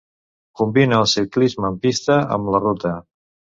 Combina el ciclisme en pista amb la ruta.